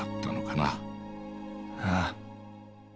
ああ。